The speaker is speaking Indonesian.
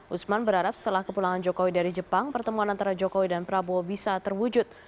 usman berharap setelah kepulangan jokowi dari jepang pertemuan antara jokowi dan prabowo bisa terwujud